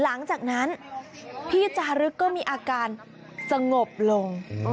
หลังจากนั้นพี่จารึกก็มีอาการสงบลง